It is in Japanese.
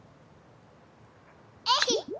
えい！